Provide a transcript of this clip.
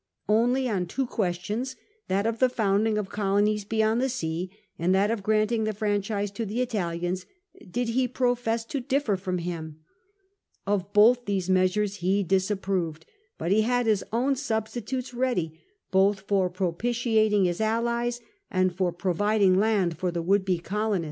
Only on two questions — ^that of the founding of colonies beyond the sea, and that of grant ing the franchise to the Italians — did he profess to differ from him. Of both these measures he disapproved, but he had his own substitutes ready, both for propitiating the allies and for providing land for the would be colonists.